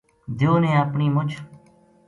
دیو نے اپنی مُچھ